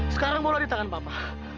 sekarang bola di tangan papa